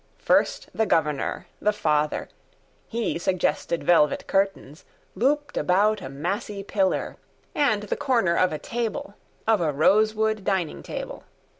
First the Governor, the Father: He suggested velvet curtains Looped about a massy pillar; And the corner of a table, Of a rosewood dining table.